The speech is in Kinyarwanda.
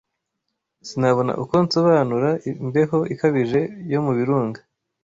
Sinabona uko nsobanura imbeho ikabije yo mu birunga